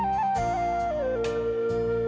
บ๊ายบาย